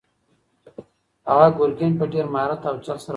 هغه ګرګین په ډېر مهارت او چل سره وغولاوه.